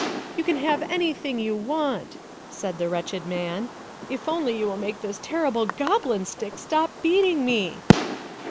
"You can have anything you want," said the wretched man, " if only you will make this terrible goblin stick stop beating me."